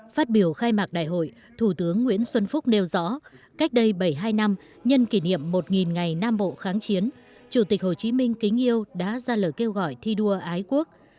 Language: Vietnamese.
phát biểu khai mạc đại hội thủ tướng nguyễn xuân phúc nêu rõ cách đây bảy mươi hai năm nhân kỷ niệm một ngày nam bộ kháng chiến chủ tịch hồ chí minh kính yêu đã ra lời kêu gọi thi đua ái quốc